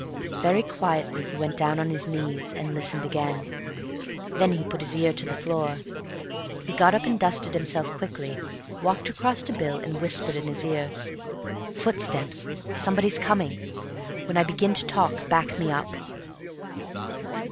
Very quietly he went down on his knees, and listened again. Then he put his ear to the floor. He got up and dusted himself quickly, walked across to Bill and whispered in his ear: "Footsteps. Somebody coming. When I begin to talk, back me up."